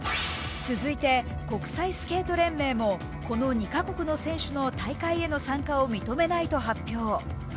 続いて国際スケート連盟もこの２カ国の選手の大会への参加を認めないと発表。